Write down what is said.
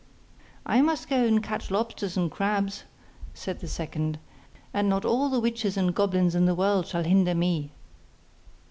'I must go and catch lobsters and crabs' said the second, 'and not all the witches and goblins in the world shall hinder me.